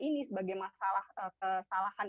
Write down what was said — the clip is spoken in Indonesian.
ini sebagai masalah kesalahan